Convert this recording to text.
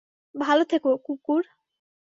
ভালো থেকো, কুকুর।